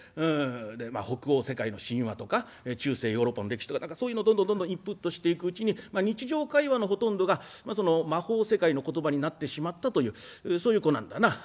でまあ北欧世界の神話とか中世ヨーロッパの歴史とかそういうのをどんどんどんどんインプットしていくうちに日常会話のほとんどが魔法世界の言葉になってしまったというそういう子なんだな。